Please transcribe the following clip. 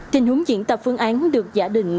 tình huống diễn tập phương án được giả định